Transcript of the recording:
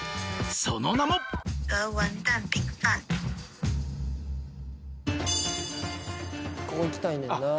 その名もここ行きたいねんなあ